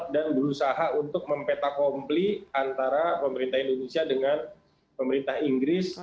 dan berusaha untuk mempetakompli antara pemerintah indonesia dengan pemerintah inggris